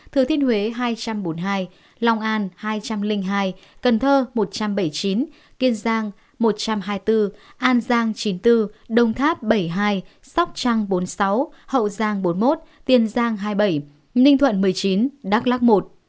thừa thiên huế hai bốn mươi hai lòng an hai hai cần thơ một bảy mươi chín kiên giang một hai mươi bốn an giang chín bốn đồng tháp bảy hai sóc trăng bốn sáu hậu giang bốn một tiền giang hai bảy ninh thuận một mươi chín đắk lắc một